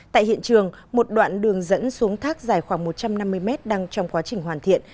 tại hiện trường một đoạn đường dẫn xuống thác dài khoảng một trăm năm mươi mét đang trong quá trình hoàn thiện